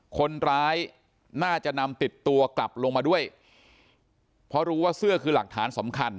คนร้ายน่าจะนำติดตัวกลับลงมาด้วยเพราะรู้ว่าเสื้อคือหลักฐานสำคัญ